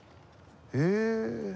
へえ。